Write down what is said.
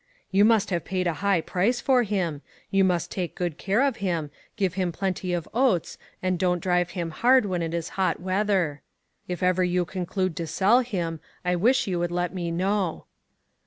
"You must have paid a high price for him. You must take good care of him. Give him plenty of oats, and don't drive him hard when it is hot weather. And if ever you conclude to sell him, I wish you would let me know."